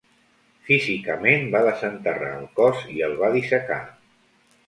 Físicament, va desenterrar el cos i el va dissecar.